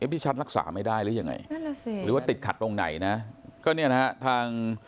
พี่ชันรักษาไม่ได้หรือยังไงหรือว่าติดขัดตรงไหนนะ